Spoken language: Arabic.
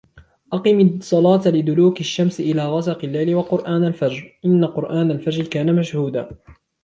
أقم الصلاة لدلوك الشمس إلى غسق الليل وقرآن الفجر إن قرآن الفجر كان مشهودا